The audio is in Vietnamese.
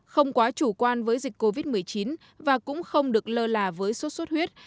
không quá chủ quan với dịch covid một mươi chín và cũng không được lơ là với sốt xuất huyết